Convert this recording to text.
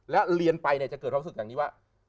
แล้วเรียนไปเนี่ยจะเกิดความรู้สึกอย่างนี้ว่า